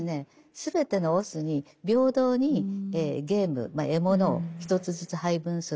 全てのオスに平等にゲーム獲物を一つずつ配分する。